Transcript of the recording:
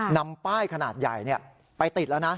นำป้ายขนาดใหญ่ไปติดแล้วนะ